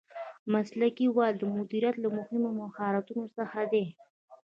مسلکي والی د مدیریت له مهمو مهارتونو څخه دی.